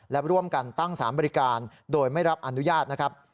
และร่วมกันตั้งสารบริการโดยไม่รับอนุญาตนะครับ